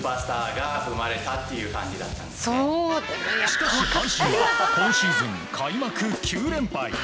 しかし阪神は今シーズン開幕９連敗。